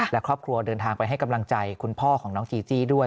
และครอบครัวเดินทางไปให้กำลังใจคุณพ่อของน้องจีจี้ด้วย